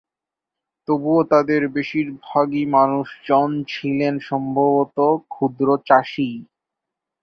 তবুও তাদের বেশিরভাগই মানুষজন ছিলেন সম্ভবত ক্ষুদ্র চাষীই।